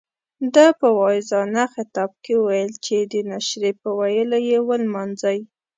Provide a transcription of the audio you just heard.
ده په واعظانه خطاب کې ویل چې د نشرې په ويلو یې ونمانځئ.